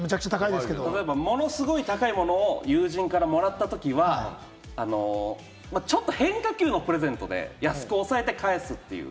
ものすごい高いものを友人からもらったときは、ちょっと変化球のプレゼントで安く抑えて返す。